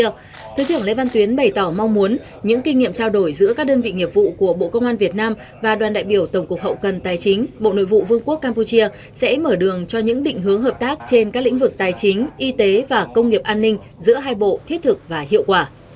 tại buổi thứ trưởng lê văn tuyến bày tỏ mong muốn những kinh nghiệm trao đổi giữa các đơn vị nghiệp vụ của bộ công an việt nam và đoàn đại biểu tổng cục hậu cần tài chính bộ nội vụ vương quốc campuchia sẽ mở đường cho những định hướng hợp tác trên các lĩnh vực tài chính y tế và công nghiệp an ninh giữa hai bộ thiết thực và hiệu quả